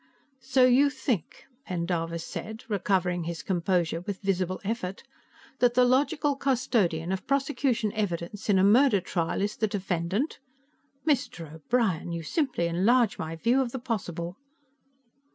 "So you think," Pendarvis said, recovering his composure with visible effort, "that the logical custodian of prosecution evidence in a murder trial is the defendant? Mr. O'Brien, you simply enlarge my view of the possible!"